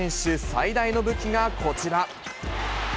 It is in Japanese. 最大の武器がこちら。